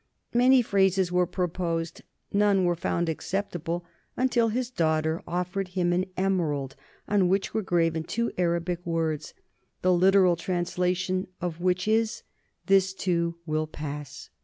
Many phrases were proposed; none were found acceptable until his daughter offered him an emerald on which were graven two Arabic words, the literal translation of which is, "This, too, will pass."